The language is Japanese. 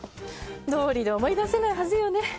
どうりで思い出せないはずよね。